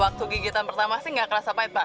waktu gigitan pertama sih nggak kerasa pahit pak